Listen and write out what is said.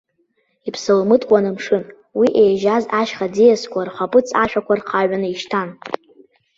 Иԥсылмыткуан амшын, уи еижьаз ашьха ӡиасқәа рхаԥыц ашәақәа рхаҩаны ишьҭан.